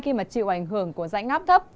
khi chịu ảnh hưởng của rãnh ngáp thấp